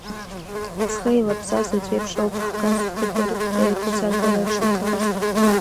Зхы еилаԥсаз аӡә иеиԥш ауп Қсас, Ӡыкәыр иԥҳәысаагара дшаԥылаз…